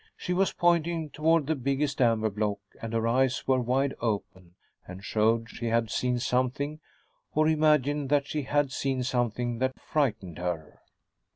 She was pointing toward the biggest amber block, and her eyes were wide open and showed she had seen something, or imagined that she had seen something, that frightened her.